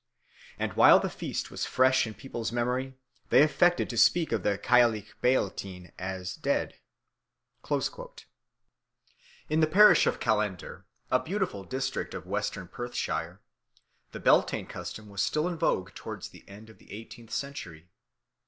And while the feast was fresh in people's memory, they affected to speak of the cailleach beal tine as dead." In the parish of Callander, a beautiful district of Western Perthshire, the Beltane custom was still in vogue towards the end of the eighteenth century.